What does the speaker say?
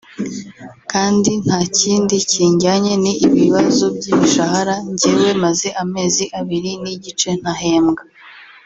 kandi nta kindi kinjyanye ni ibibazo by’imishahara njyewe maze amezi abiri n’igice ntahembwa